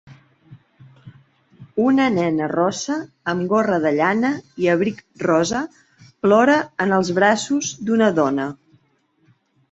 una nena rossa amb gorra de llana i abric rosa plora en els braços d'una dona.